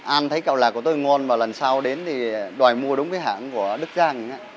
an thấy cậu lạc của tôi ngon và lần sau đến thì đòi mua đúng cái hãng của đức giang